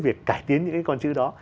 việc cải tiến những cái con chữ đó